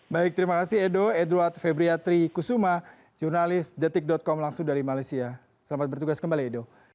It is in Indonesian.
baik terima kasih edo edward febriatri kusuma jurnalis detik com langsung dari malaysia selamat bertugas kembali edo